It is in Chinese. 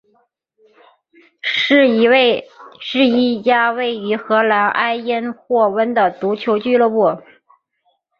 是一家位于荷兰埃因霍温的足球俱乐部。